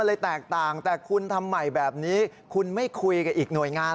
เพราะว่าไอ้ดำนั้นมันคือพื้นถนน